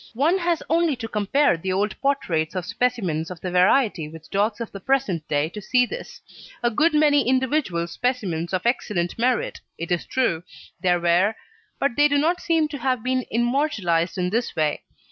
One has only to compare the old portraits of specimens of the variety with dogs of the present day to see this. A good many individual specimens of excellent merit, it is true, there were, but they do not seem to have been immortalised in this way.